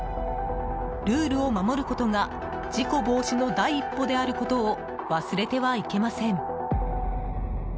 ルールを守ることが事故防止の第一歩であることを忘れてはいけません。